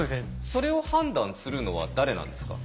それを判断するのは誰なんですか？